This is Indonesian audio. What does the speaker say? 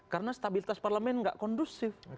karena stabilitas parlemen gak kondusif